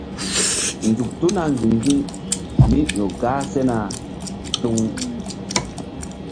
Nzuk tuna ŋgi̧ŋgi̧mí ƴo gah sena tuŋ.